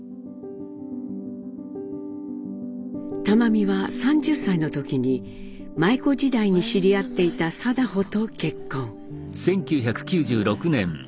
玉美は３０歳の時に舞妓時代に知り合っていた禎穗と結婚。